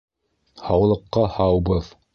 — Һаулыҡҡа һаубыҙ!